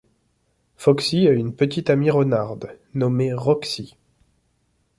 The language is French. Foxy a une petite amie renarde, nommée Roxy.